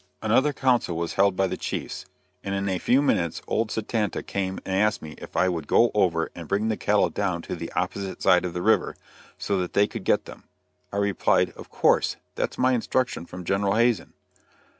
Another council was held by the chiefs, and in a few minutes old Satanta came and asked me if I would go over and bring the cattle down to the opposite side of the river, so that they could get them. I replied, "Of course; that's my instruction from General Hazen."